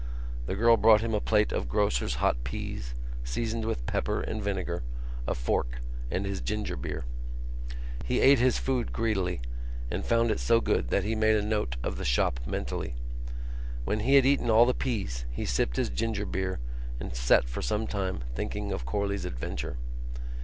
The girl brought him a plate of grocer's hot peas, seasoned with pepper and vinegar, a fork and his ginger beer. He ate his food greedily and found it so good that he made a note of the shop mentally. When he had eaten all the peas he sipped his ginger beer and sat for some time thinking of Corley's adventure.